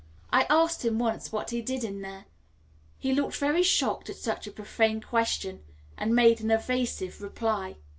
I asked him once what he did in there; he looked very shocked at such a profane question, and made an evasive reply.